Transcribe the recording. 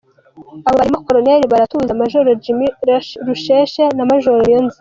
Abo barimo Colonel Baratuza, Major Jimmy Rusheshe na Major Niyonzima.